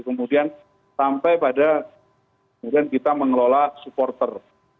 kemudian sampai pada kemudian kita mengelola supporter